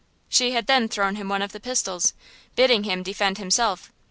She had then thrown him one of the pistols, bidding him defend himself.